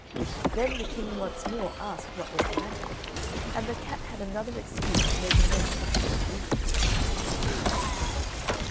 Then the King once more asked what was the matter, and the cat had another excuse to make amends for Pippo's rudeness.